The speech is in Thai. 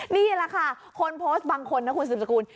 นี่แหละค่ะคนโพสต์บางคนนะคุณสืบสกุล